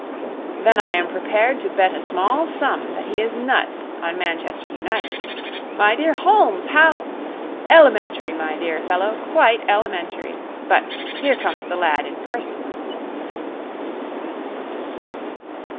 'Then I am prepared to bet a small sum that he is nuts on Manchester United. My dear Holmes, how ! Elementary, my dear fellow, quite elementary. But here comes the lad in person.'